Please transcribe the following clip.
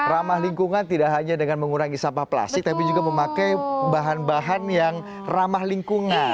ramah lingkungan tidak hanya dengan mengurangi sampah plastik tapi juga memakai bahan bahan yang ramah lingkungan